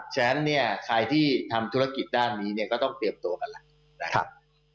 ฉะนั้นใครที่ทำธุรกิจด้านนี้ก็ต้องเตรียมตัวกันนะครับ